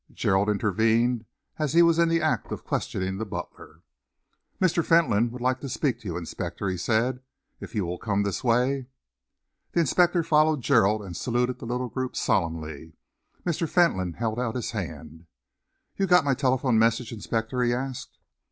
Gerald intervened as he was in the act of questioning the butler. "Mr. Fentolin would like to speak to you, inspector," he said, "if you will come this way." The inspector followed Gerald and saluted the little group solemnly. Mr. Fentolin held out his hand. "You got my telephone message, inspector?" he asked.